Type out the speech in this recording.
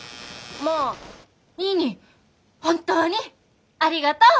まあニーニー本当にありがとう！